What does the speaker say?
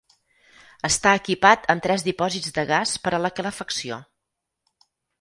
Està equipat amb tres dipòsits de gas per a la calefacció.